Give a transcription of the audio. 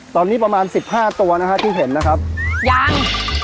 ตอนนี้ประมาณ๑๕ตัวนะครับที่เห็นนะครับยัง